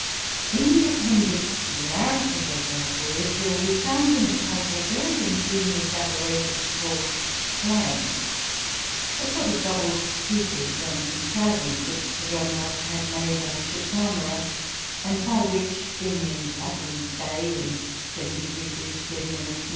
In the Appendix to the narrative of that voyage, there will be found an account of a very ingenious apparatus called "clams" a sort of double scoop of his own contrivance, which Sir John Ross had made by the ship's armourer; and by which, being in Baffin's Bay, in 72° 30' N.